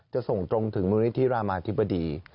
จะส่งตรงถึงมูลนิธิรามาธิบดี